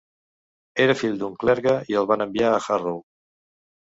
Era fill d'un clergue i el van enviar a Harrow.